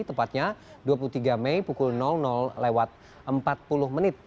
tepatnya dua puluh tiga mei pukul lewat empat puluh menit